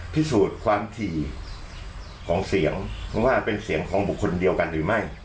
พิสูจน์ความถี่ของเสียงว่าเป็นเสียงของบุคคลเดียวกันหรือไม่